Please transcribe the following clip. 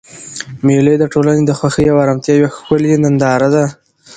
مېلې د ټولنې د خوښۍ او ارامتیا یوه ښکلیه ننداره ده.